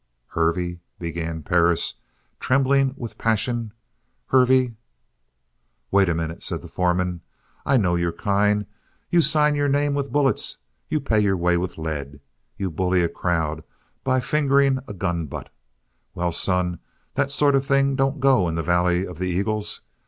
"Hervey," began Perris, trembling with his passion "Hervey " "Wait a minute," said the foreman, "I know your kind. You sign your name with bullets. You pay your way with lead. You bully a crowd by fingering a gun butt. Well, son, that sort of thing don't go in the Valley of the Eagles.